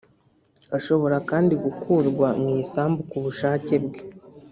ashobora kandi gukurwa mu isambu ku bushake bwe